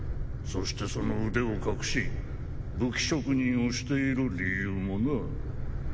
そしてその腕を隠し武器職人をしている理由もな。